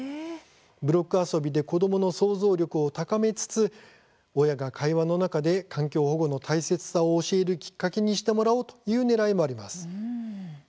ブロック遊びで子どもの創造力を高めつつ親が会話の中で環境保護の大切さを教えるきっかけにしてもらおうというねらいもあります。